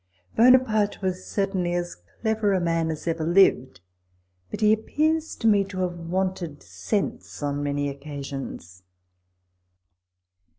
[Buonaparte was certainly as clever a man as ever lived, but he appears to me to have wanted sense on many occasions.